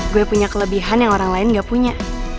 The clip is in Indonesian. gue punya kelebihan yang orang lain gak punya